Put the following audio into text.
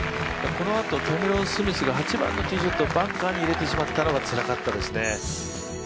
このあとキャメロン・スミスが、８番のティーショットをバンカーに入れてしまったのがつらかったですね。